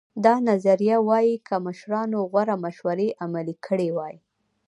دا نظریه وایي که مشرانو غوره مشورې عملي کړې وای.